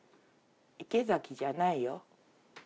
池崎じゃないよ。